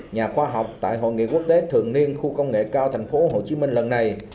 nhà khoa học tại hội nghị quốc tế thường niên khu công nghệ cao tp hcm lần này